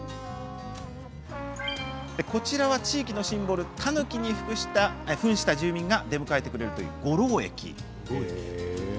こちらは地域のシンボルたぬきにふんした住民が出迎えてくれる五郎駅。